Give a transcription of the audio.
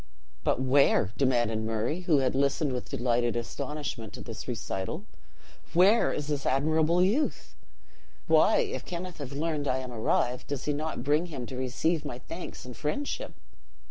"But where," demanded Murray, who had listened with delighted astonishment to this recital, "where is this admirable youth? Why, if Kenneth have learned I am arrived, does he not bring him to receive my thanks and friendship?"